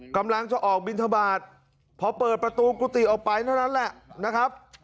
กำลังจะออกบินทบาทพอเปิดประตูกุฏิออกไปเท่านั้นแหละนะครับ